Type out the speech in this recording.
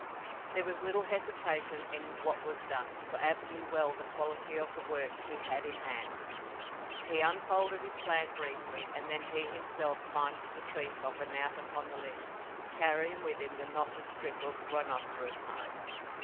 There was little hesitation in what was done, for Ab knew well the quality of the work he had in hand. He unfolded his plan briefly and then he himself climbed to the treetop and out upon the limb, carrying with him the knotted strip of rhinoceros hide.